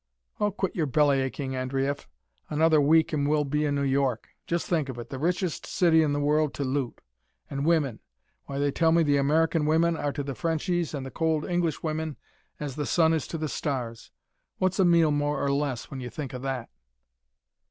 "Oh, quit your bellyaching, Andreyeff. Another week, and we'll be in New York. Just think of it, the richest city in the world to loot! And women! Why, they tell me the American women are to the Frenchies and the cold English women as the sun is to the stars. What's a meal more or less when you think of that?"